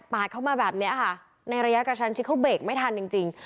เข้ามาแบบนี้ค่ะในระยะกระชันชิดเขาเบรกไม่ทันจริงจริง